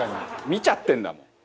「見ちゃってるんだもん」